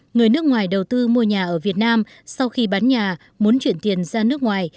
người nước ngoài đầu tư mua nhà ở việt nam sau khi bán nhà muốn chuyển tiền ra nước ngoài